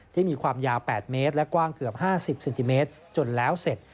ที่มีความยาว๘เมตรและกว้างเกือบ๕๐เซนติเมตรจนแล้วเสร็จ